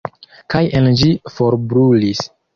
Kaj en ĝi forbrulis.